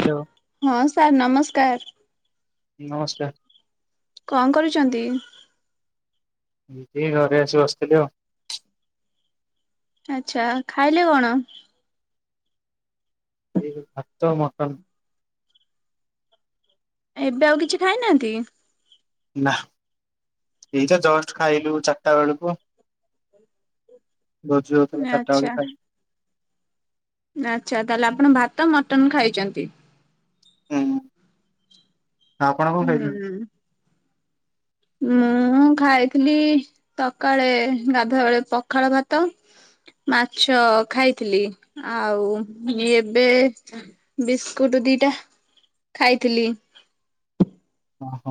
Hello ହଁ sir ନମସ୍କାର। ନମସ୍କାର। କଣ କରୁଛନ୍ତି? ଏଇ ଘରେ ଆସି ବସିଥିଲି ଆଉ। ଆଛା ଖାଇଲେ କଣ? ଏ ଭାତ ମଟନ। ଏବେ ଆଉ କିଛି ଖାଇନାହାନ୍ତି? ନା ଏଇ ଜଷ୍ଟ ଖାଇଲୁ ଚାରିଟା ବେଳକୁ ଭୋଜି ହଉଥିଲା ଚାରିଟା ବେଳେକୁ ଖାଇଲୁ ଆଛା ତାହେଲେ ଆପଣ ଭାତ ମଟନ ଖାଇଛନ୍ତି। ହୁଁ ହ ଆପଣ କଣ ଖାଇଛନ୍ତି? ଉୁଁ ମୁଁ ଖାଇଥିଲି ସକାଳେ ଗାଧୁଆବେଳେ ବେଳେ ପଖାଳ ଭାତ ମାଛ ଖାଇଥିଲି ଆଉ ଏବେ ବିସ୍କୁଟ ଦିଟା ଖାଇଥିଲି। ହଁ ହୋ।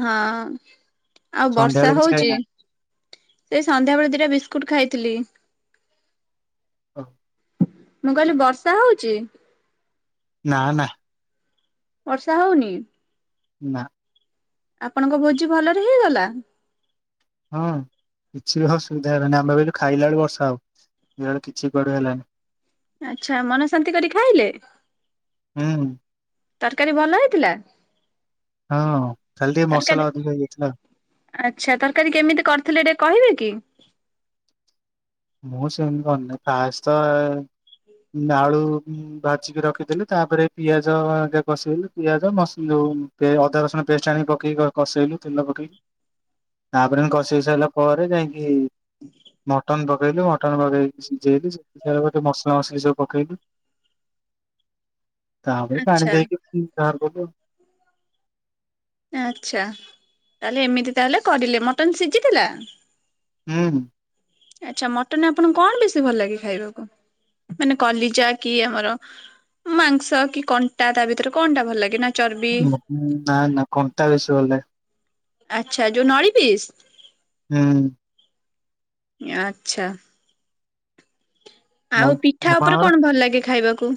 ହଁ ଆଉ ସନ୍ଧ୍ୟାବେଳେ ବର୍ଷା କିଛି ହଉଚି। ଖାଇନା ସେ ସନ୍ଧ୍ୟାବେେଳେ ଦିଟା ବିସ୍କୁଟ ଖାଇଥିଲି। ହ ମୁଁ କହିଲି ବର୍ଷା ହଉଛି। ନା ନା। ବର୍ଷା ହଉନି? ନା। ଆପଣଙ୍କ ଭୋଜି ଭଲରେ ହେଇଗଲା। ହଁ କିଛି ବି ଅସୁବିଧା ହେଲାନି ଆମେ ଭାବିଲୁ ଖାଇଲା ବେଳକୁ ବର୍ଷା ହବ। ଇଆଡ଼େ କିଛି କୁଆଡୁ ହେଲାନି। ଆଛା ମନ ଶାନ୍ତି କରି ଖାଇଲେ ହୁଁ ତରକାରୀ ଭଲ ହେଇଥିଲା। ହଁ ହ ଖାଲି ଟିକେ ତରକାରୀ ମସଲା ଅଧିକ ହେଇଯାଇଥିଲା। ଆଚ୍ଛା ତରକାରୀ କେମିତି କରିଥିଲେ ଟିକେ କହିବେ କି। ମୁଁ ସେମିତି କରିନେ କାସ୍ତ ନାଡ଼ୁ ଭାଜିକି ରଖିଥିଲି ତାପରେ ପିଆଜ ଯାବସେଇଲୁ ପିଆଜ ମସ ଯୋ ଅଦା ରସୁଣ ପେଷ୍ଟ ଆଣି ପକେଇି କସେଇଲୁ ତେଲ ପକେଇ ହ [unintelligible] ତାପରେ ଆମେ କଷି କାଷି ସାରିଲା ପରେ ଯାଇକି ମଟନ ତ ପକେଇଲୁ ମଟନ ପକେଇ ସିଜେଇଲୁ ସିଜିସାରିଲାପରେ ମସଲା ମସଲି ସବୁ ପକେଇଲୁ ତାପରେ ପାଣି ଆଚ୍ଛା ଦେଇକି ବାହାର କଲୁ ଆଉ ଆଚ୍ଛା ତାହେଲେ ଏମିତି ତାହେଲେ କରିଲେ ମଟନ ସିଝିଥିଲା। ହୁଁ ହୁଁ। ଆଚ୍ଛା ମଟନରେ ଆପଣଙ୍କୁ କଣ ବେଶୀ ଭଲ ଲାଗେ ଖାଇବାକୁ ମାନେ କଲିଜା କି ଆମର ମାଂସ କି କଣ୍ଟା ତା ଭିତରେ କଣଟା ଭଲ ଲାଗେ ନା ଚର୍ବି ହୁଁ ନା ନା କଣ୍ଟା ବେଶି ଭଲଲାଗେ। ଆଚ୍ଛା ଯୋଉ ନଳି ପିସ୍ ଉଁ। ଆଚଛା। ଆଉ ପିଠା ଉପରେ କଣ ଭଲ ଲାଗେ ଖାଇବାକୁ।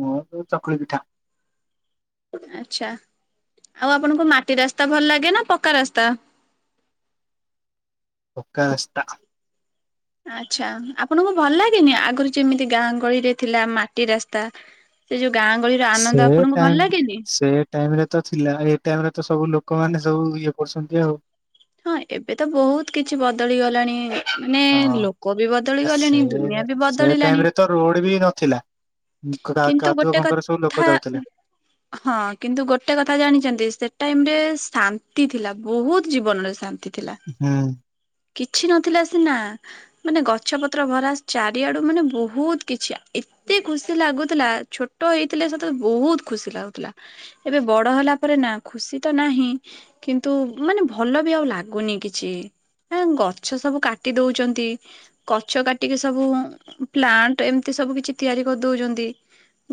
ମୋ ଚକୁଳି ପିଠା। ଆଛା ଆଉ ଆପଣଙ୍କୁ ମାଟି ରାସ୍ତା ଭଲ ଲାଗେ ନା ପକ୍କା ରାସ୍ତା। ପକା ରାସ୍ଥା। ଆଚ୍ଛା ଆପଣଙ୍କୁ ଭଲ ଲାଗେନି ଆଗରୁ ଯେମିତି ଗାଁ ଗହଳି ରେ ଥିଲା ମାଟି ରାସ୍ତା। ସେ ଯୋଉ ଗାଁ ଗହଳିର ସେ ଆନନ୍ଦ ଆପଣଙ୍କୁ ଟାଇମ ଭଲ ଲାଗେନି? ସେ ଟାଇମ ରେ ତ ଥିଲାଉ ଏ ଟାଇମ ରେ ତ ସବୁ ଲୋକମାନେ ସବୁ ଇଏ କରୁଛନ୍ତି ଆଉ। ହଁ ଏବେ ତ ବହୁତ କିଛି ବଦଳି ଗଲାଣି ମାନେ ହଁ। ଲୋକ ବି ବଦଳି ଆ ସେ ଗଲେଣି ଦୁନିଆ ବି ସେ ଟାଇମ ବଦଳିଲାଣି। ରେ ତ ରୋଡ ବି ନଥିଲା କାଦୁଅ ପଙ୍କରେ ସବୁ ଲୋକ ଯାଉଥିଲେ। ହ [unintelligible] ହଁ କିନ୍ତୁ ଗୋଟେ କଥା ଜାଣିଛନ୍ତି ସେ ଟାଇମ ରେ ଶାନ୍ତି ଥିଲା ବହୁତ ଜୀବନରେ ଶାନ୍ତି ଥିଲା। ହୁଁ କିଛି ନଥିଲା ସିନା ମାନେ ଗଛ ପତ୍ର ଭରା ଚାରିଆଡୁ ମାନେ ବହୁତ କିଛି ଏତେ ଖୁସି ଲାଗୁ ଥିଲା ଛୋଟ ହେଇଥିଲେ ସତ ବହୁତ ଖୁସି ଲାଗୁଥିଲା। ଏବେ ବଡ ହେଲା ପରେ ନା ଖୁସି ତ ନାହିଁ। କିନ୍ତୁ ମାନେ ଭଲ ବି ଆଉ ଲାଗୁନି କିଛି। ଗଛ ସବୁ କାଟି ଦଉଛନ୍ତି। ଗଛ କାଟିକି ସବୁ ପ୍ଲାଣ୍ଟ ଏମିତି ସବୁ କିଛି ତିଆରି କରିଦଉଛନ୍ତି।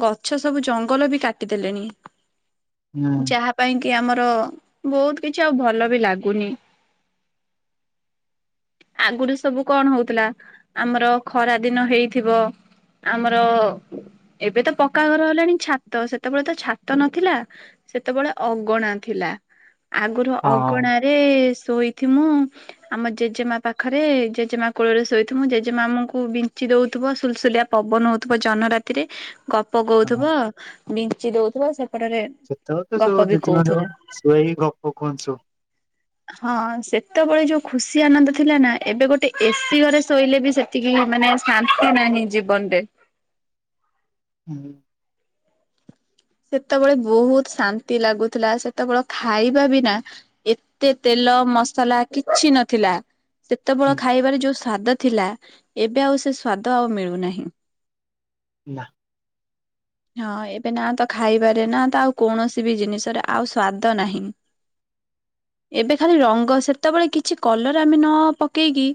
ଗଛ ସବୁ ଜଙ୍ଗଲ ବି କାଟିଦେଲେଣି ଯାହା ପାଇଁ କି ଆମର ବହୁତ କିଛି ଆଉ ଭଲ ବି ଲାଗୁନି। [inaudible] ଆଗୁରୁ ସବୁ କଣ ହଉଥିଲା ଆମର ଖରା ଦିନ ହେଇଥିବ। ଆମର ଏବେ ତ ପକ୍କା ଘର ହେଲାଣି ଛାତ ସେତେବେଳେ ତ ଛାତ ନଥିଲା। ସେତେବେଳେ ଅଗଣା ଥିଲା ଆଗରୁ ହଁ ଅଗଣା ରେ ଶୋଇଥି ମୁଁ ଆମ ଜେଜେମା ପାଖରେ ଜେଜେମା କୋଳରେ ଶୋଇଥିବୁ ଜେଜେମା ଆମକୁ ବିଞ୍ଚି ଦଉଥିବ ସୁଲସୁଲିଆ ପବନ ହଉଥିବ ଜନ ରାତିରେ। ଗପ ହଁ ଗଉଥୁବ ବିଞ୍ଚି ଦଉଥିବ ସେପଟରେ ସେତେବେଳେ ତ ଗପ ସବୁ ବି ଜେଜେମା କହୁଥିବ। ଯୋଉ ଶୋଏଇ ଗପ କୁହନ୍ତି ସବୁ। ହଁ [inaudible] ହଁ ସେତେବେଳେ ଯୋଉ ଖୁସି ଆନନ୍ଦ ଥିଲା ନା ଏବେ ଗୋଟେ ଏସିି ଘରେ ଶୋଇଲେ ବି ସେ ତିକି ମାନେ ଶାନ୍ତି ନାହିଁ ଜୀବନରେ। ହୁଁ। ସେତେବେଳେ ବହୁତ ଶାନ୍ତି ଲାଗୁଥିଲା ସେତେବେଳେ ଖାଇବା ବିନା ଏତେ ତେଲ ମସଲା କିଛି ନ ଥିଲା। ସେତେବେଳ ହୁଁ ଖାଇବାରେ ଯୋଉ ସ୍ଵାଦ ଥିଲା ଏବେ ଆଉ ସେ ସ୍ଵାଦ ଆଉ ମିଳୁନାହିଁ। ନା। ହଁ ଏବେ ନା ତ ଖାଇବାରେ ନା ତ ଆଉ କୌଣସି ବି ଜିନିଷରେ ଆଉ ସ୍ଵାଦ ନାହିଁ। ଏବେ ଖାଲି ରଙ୍ଗ ସେତେବେଳେ କିଛି କଲର ଆମେ ନ ପକେଇ କି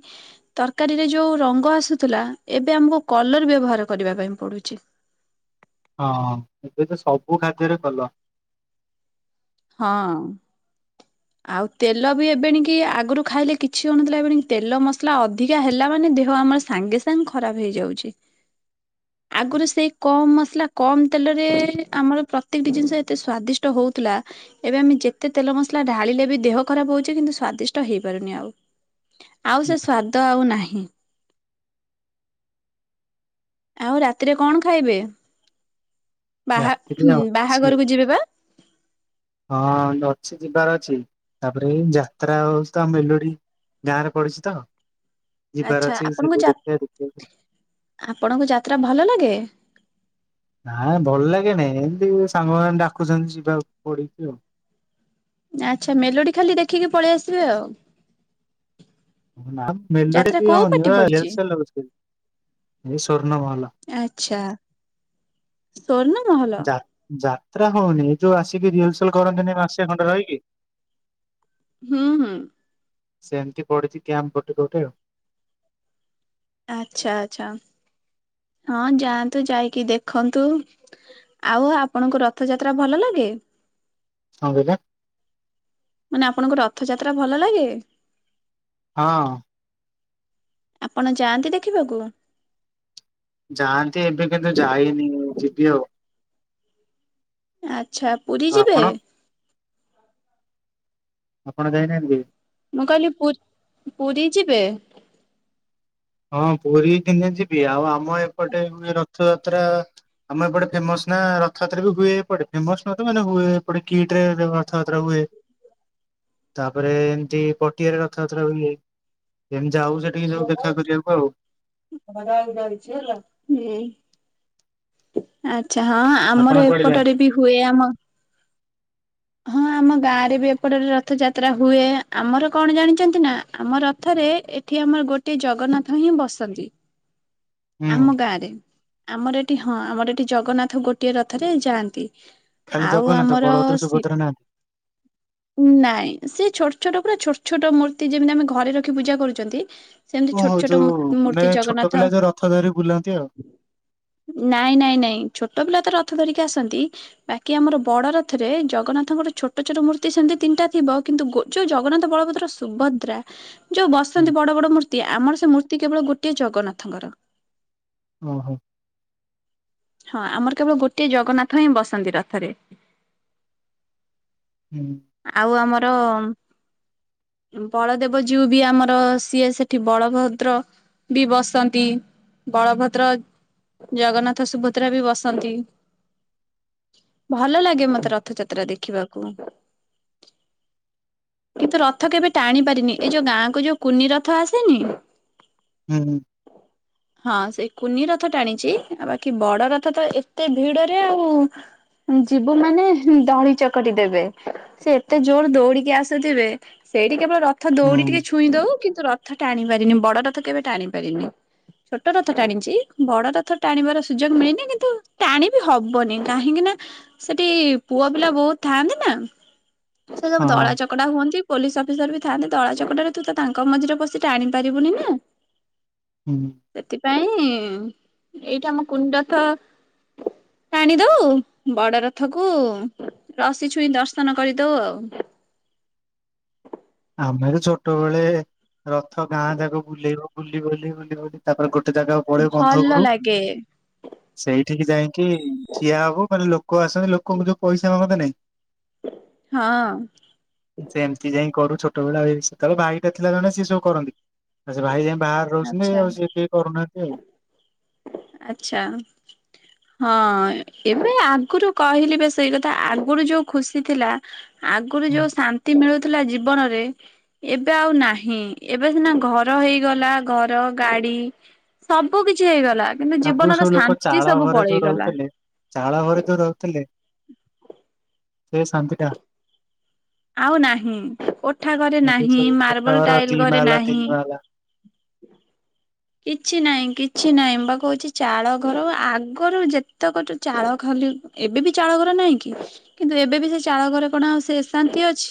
ତରକାରୀ ରେ ଯୋଉ ରଙ୍ଗ ଆସୁଥିଲା ଏବେ ଆମକୁ କଲର୍ ବ୍ୟବହାର କରିବା ପାଇଁ ପଡ଼ୁଛି। ହଁ ଏବେ ତ ସବୁ ଖାଦ୍ୟରେ କଲର୍ ହଁ। ଆଉ ତେଲ ବି ଏବେ ଏଣିକି ଆଗରୁ ଖାଇଲେ କିଛି ହଉନଥିଲା ଏବେ ଏଣିକି ତେଲ ମସଲା ଅଧିକା ହେଲା ମାନେ ଦେହ ଆମର ସାଙ୍ଗେ ସାଙ୍ଗେ ଖରାପ ହେଇଯାଉଚି। ଆଗରୁ ସେଇ କମ୍‌ ମସଲା କମ୍‌ ତେଲ ରେ ଆମର ପ୍ରତେକ ଟି ଜିନିଷ ଏତେ ସ୍ୱାଦିଷ୍ଟ ହଉଥିଲା। ଏବେ ଆମେ ଯେତେ ତେଲ ମସଲା ଢ଼ାଳିଲେ ବି ଦେହ ଖରାପ ହଉଚି କିନ୍ତୁ ସ୍ଵାଦିଷ୍ଟ ହେଇପାରୁନି ଆଉ ଆଉ ସେ ସ୍ଵାଦ ଦ ଆଉ ନାହିଁ। ଆଉ ରାତିରେ କଣ ଖାଇବେ ବାହା ରାତିରେ ଅଛି ବାହାଘରକୁ ଯିବେ ବା? ହ ହଁ ଅଛି ଯିବାର ଅଛି ତାପରେ ଯାତ୍ରା ହଉଛି ତ ମେଲଡ଼ି ଗାଁରେ ପଡ଼ିଛି ତ ଯିବାର ଆଚ୍ଛା ଅଛି ସେ ଆପଣଙ୍କୁ ବୋଉ ଯା ଦେଖିଆ ଦେଖିଆ ଆପଣଙ୍କୁ ଯାତ୍ରା ଭଲ ଲାଗେ? ନାଇ ଭଲ ଲାଗେ ନାଇଁ ଏମିତି ସାଙ୍ଗମାନେ ଡାକୁଛନ୍ତି ଯିବାକୁ ପଡ଼ିକି ଆଉ। ଆଛା ମେଲୋଡ଼ି ଖାଲି ଦେଖିକି ପଳେଇ ଆସିବେ ଆଉ। ନା ମେଲଡ଼ି ଯାତ୍ରା ବି କୋଉ ହେଉନି ପାଟି ବା [unintelligible] ହେଉଛି ପଡିଛି? ହେଇ ସ୍ୱର୍ଣ ମହଲ ଆଛା। ସ୍ଵର୍ଣ ମହଲ। ଯା ଯାତ୍ରା ହଉନି ଏ ଯୋଉ ଆସିକି ରିହର୍ସଲ କରନ୍ତି ନି ମାସେ ଖଣ୍ଡେ ରହିକି। ହୁଁ, ହୁଁ। ସେମିତି ପଡିଛି କ୍ୟାମ୍ପ ଗୋଟେ ଗୋଟେ ଆଉ। ଆଛା, ଆଛା ହଁ ଯାଆନ୍ତୁ ଯାଇକି ଦେଖନ୍ତୁ। ଆଉ ଆପଣଙ୍କୁ ରଥଯାତ୍ରା ଭଲ ଲାଗେ? କଣ କହିଲେ? ମାନେ ଆପଣଙ୍କୁ ରଥଯାତ୍ରା ଭଲ ଲାଗେ। ହଁ। ଆପଣ ଯାଆନ୍ତି ଦେଖିବାକୁ? ଯାଆନ୍ତି ଏବେ କିନ୍ତୁ ଯାଇନି ଯିବି ଆଉ। ଆଛା ପୁରୀ ଯିବେ? ଆପଣ? ଆପଣ ଯାଇ ନାହାନ୍ତି କି? ମୁଁ କହିଲି ପୁ ପୁରୀ ଯିବେ। ହଁ, ପୁରୀ ଦିନେ ଯିବି ଆଉ ଆମ ଏପଟେ ହୁଏ ରଥଯାତ୍ରା। ଆମ ଏପଟେ ଫେମସ୍ ନା ରଥଯାତ୍ରା ବି ହୁଏ ଏପଟେ ଫେମସ୍ ନୁହେଁ ତ ମାନେ ହୁଏ ଏପଟେ କିଟ୍‌ ରେ ରଥଯାତ୍ରା ହୁଏ। ଶୁଭୁନି ତାପରେ ଏମିତି ପଟିଆରେ ରଥଯାତ୍ରା ହୁଏ ଏମିତି ଯାଉ ସେଠି ଗାଇ ଯାଇଛିଲା [unintelligible] ଆଛା ହଁ ଆପଣ ଆମର କୁଆଡେ ଯାଆନ୍ତି? ଏପଟରେ ବି ହୁଏ ଆମ ହଁ ଆମ ଗାଁ ରେ ବି ଏପଟରେ ରଥଯାତ୍ରା ହୁଏ ଆମର କଣ ଜାଣିଛନ୍ତି ନା ଆମ ରଥରେ ଏଠି ଆମର ଗୋଟେ ଜଗନ୍ନାଥ ହିଁ ବସନ୍ତି। ହୁଁ ଆମ ଗାଁରେ ଆମର ଏଠି ହଁ ଆମର ଏଠି ଜଗନ୍ନାଥ ଗୋଟିଏ ରଥରେ ଯାଆନ୍ତି। ଖାଲି ଆଉ ଜଗନ୍ନାଥ ଆମର ବଳଭଦ୍ର ସୁଭଦ୍ରା ନାହାନ୍ତି ନାଇଁ ସେ ଛୋଟ ଛୋଟ ପୁରା ଛୋଟ ଛୋଟ ମୂର୍ତ୍ତି ଯେମିତି ଆମେ ଘରେ ରଖି ପୂଜା କରୁଛନ୍ତି ସେମିତି ଓ ଛୋଟ ହଉ ଛୋଟ ଯୋଉ ମାନେ ମୂର୍ତ୍ତି ଛୋଟ ଜଗନ୍ନାଥ ପିଲା ଯେ ରଥ ଧରି ବୁଲାନ୍ତି ଆଉ। ନାଇଁ ନାଇଁ ନାଇଁ ଛୋଟ ପିଲା ତ ରଥ ଧରିକି ଆସନ୍ତି। ବାକି ଆମର ବଡରଥରେ ଜଗନ୍ନାଥଙ୍କର ଛୋଟ ଛୋଟ ମୂର୍ତ୍ତି ସେମିତି ତିନିଟା ଥିବ କିନ୍ତୁ ଗୋ ଯୋଉ ଜଗନ୍ନାଥ, ବଳଭଦ୍ର, ସୁଭଦ୍ରା ଯୋଉ ହୁଁ ବସନ୍ତି ବଡ ବଡ ମୂର୍ତ୍ତି ଆମର ସେ ମୂର୍ତ୍ତି କେବଳ ଗୋଟଏ ଜଗନ୍ନାଥଙ୍କର। ଓହୋ ହଁ ଆମର କେବଳ ଗୋଟଏ ଜଗନ୍ନାଥ ହିଁ ବସନ୍ତି ରଥରେ। ହୁଁ ଆଉ ଆମର ବଳଦେବଜୁଉ ବି ଆମର ସିଏ ସେଠି ବଳଭଦ୍ର ବି ବସନ୍ତି ବଳଭଦ୍ର, ଜଗନ୍ନାଥ, ସୁଭ ଭଦ୍ରା ବି ବସନ୍ତି। ଭଲ ଲାଗେ ମତେ ରଥଯାତ୍ରା ଦେଖିବାକୁ। କିନ୍ତୁ ରଥ କେବେ ଟାଣି ପାରିନି ଏ ଯୋଉ ଗାଁକୁ ଯୋଉ କୁନି ରଥ ଆସେନି ହୁଁ ହୁଁ ହଁ ସେ କୁନି ରଥ ଟାଣିଚି ଆଉ ବାକି ବ ବଡ ରଥ ତ ଏତେ ଭିଡରେ ଆଉ ଯିବୁ ମାନେ ଦଳି ଚକଟି ଦେବେ ସେ ଏତେ ଜୋରେ ଦୌଡିକି ଆସୁଥିବେ। ସେଇଠି କେବଳ ରଥ ଦୌଡି ହୁଁ ଟିକେ ଛୁଇଁ ଦଉ କିନ୍ତୁ ରଥ ଟାଣି ପାରିନି ବଡ ରଥ କେବେ ଟାଣି ପାରିନି। ଛୋଟ ରଥ ଟାଣିଛି ବଡ ରଥ ଟାଣିବାର ସୁଯୋଗ ମିଳି କିନ୍ତୁ ଟାଣି ବିି ହବନି କାହିଁକି ନା ସେଠି ପୁଅ ପିଲା ବହୁତ ଥାଆନ୍ତି ନା ସେ ସବୁ ଦଳା ହଁ ଚ ଚକଡା ହୁଅନ୍ତି ପୋଲିସ ଅଫିସର ବି ଥାଆନ୍ତି ଦଳା ଚକଟରେ ତୁ ତ ତାଙ୍କ ମଝିରେ ବସି ଟାଣି ପାରିବୁନି ନା ହୁଁ ହୁଁ ସେଥିପାଇଁ ଏଇଟା ଆମ କୁନି ରଥ ଟାଣି ଦଉ ବଡ ରଥ କୁ ରଶୀଛୁଇଁ ଦର୍ଶନ କରିଦଉ ଆଉ। ଆମେ ତ ଛୋଟ ବେଳେ ରଥ ଗାଁ ଯାକ ବୁଲେଇବ ବୁଲି ବଲି ବୁଲିିବଲି ତାପରେ ଗୋଟେ ଜାଗା ପଳେଇ ବନ୍ଧ ଭଲ ଉପୁରୁକୁ। ଲାଗେ ସେଇଠିକି ଯାଇକି ଠିଆ ହବୁ ମାନେ ଲୋକ ଆସନ୍ତି ଲୋକଙ୍କୁ ଯୋଉ ପଇସା ମାଗନ୍ତିନି। ହଁ। ସେ ଏମିତି ଯାଇ କରୁ ଛୋଟବେଳେ ସେତେବେଳେ ଭାଇଟା ଥିଲା ଜଣେ ସେ ସବୁ କରନ୍ତି। ଆଚ୍ଛା ଭାଇ ଯାଇ ବାହାରେ ରହୁଛନ୍ତି ଆଚ୍ଛା ଆଉ ସିଏ କିଏ କରୁନାହାନ୍ତି ଆଉ। ଆଚ୍ଛା। ହଁ ଏବେ ଆଗରୁ କହିଲି ବା ସେଇ କଥା ଆଗରୁ ଯୋଉ ଖୁସି ଥିଲା। ଆଗରୁ ଯୋଉ ଶାନ୍ତି ମିଳୁଥିଲା ଜୀବନରେ ଏବେ ଆଉ ନାହିଁ ଏବେ ସିନା ଘର ହେଇଗଲା ଘର ଗାଡି ସବୁ କିଛି ହେଇଗଲା କିନ୍ତୁ ଆଗରୁ ଜୀବନର ସବୁ ଲୋକ ଶାନ୍ତି ଚାଳ ସବୁ ଘରେ ଯୋଉ ପଳେଇଗଲା। ରହୁଥିଲେ ଚାଳ ଘରେ ଯୋଉ ରହୁଥିଲେ ସେ ଶାନ୍ତି ଟା ଆଉ ନାହିଁ କୋଠା ଘରେ ଏବେ ନାହିଁ ସବୁ କୋଠା ମାର୍ବଲ ଘର ଦି ଟାଇଲ ଘରେ ମାହାଲା ନାହିଁ। ତିନି ମାହାଲା କିଛି ନାହିଁ କିଛି ନାହିଁ ବା କହୁଛି ଚାଳ ଘର ଆଗରୁ ଯେତେ କ ଚାଳ ଖାଲି ଏବେ ବି ଚାଳ ଘର ନାହିଁ କି କିନ୍ତୁ ଏବେ ବି ସେ ଚାଳଘରେ କଣ ଆଉ ସେ ଶାନ୍ତି ଅଛି।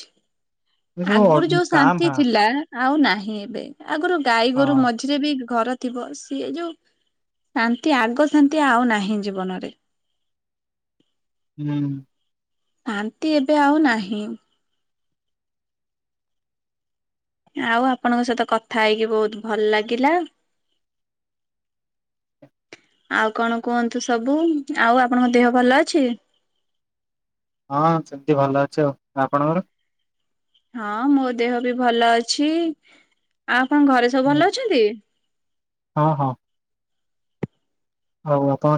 ଏ ସବୁ ଅ ଆଗୁରୁ ଯୋଉ କାଁ ଶାନ୍ତି ଭାଁ ଥିଲା ଆଉ ନାହିଁ ଏବେ ଆଗୁରୁ ଗାଈଗୋରୁ ହଁ ମଝିରେ ବି ଘର ଥିବ ସିଏ ଯୋଉ ଶାନ୍ତି ଆଗ ଶାନ୍ତି ଆଉ ନାହିଁ ଜୀବନରେ। ହୁଁ। ହାନ୍ତି ଏବେ ଆଉ ନାହିଁ। ଆଉ ଆପଣଙ୍କ ସହିତ କଥା ହେଇକି ବହୁତ ଭଲ ଲାଗିଲା। ଆଉ କଣ କୁହନ୍ତୁ ସବୁ ଆଉ ଆପଣଙ୍କ ଦେହ ଭଲ ଅଛି? ହଁ ସେମତି ଭଲ ଅଛି ଆଉ ଆପଣଙ୍କର? ହଁ ମୋ ଦେହ ବି ଭଲ ଅଛି ଆପଣଙ୍କ ଘରେ ସବୁ ଭଲ ଅଛନ୍ତି? ହଁ ହଁ। ଆଉ ଆପଣ